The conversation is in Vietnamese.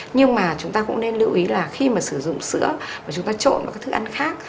nhưng mà chúng ta cũng nên lưu ý là khi mà sử dụng sữa và chúng ta trộn vào các thức ăn khác